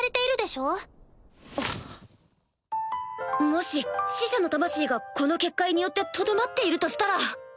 もし死者の魂がこの結界によってとどまっているとしたら！